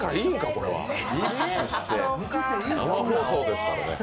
これは、生放送ですからね。